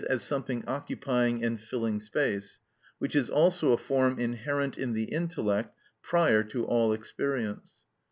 _, as something occupying and filling space, which is also a form inherent in the intellect prior to all experience.